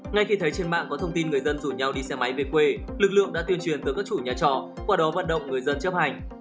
ngay khi thấy trên mạng có thông tin người dân rủ nhau đi xe máy về quê lực lượng đã tuyên truyền tới các chủ nhà trọ qua đó vận động người dân chấp hành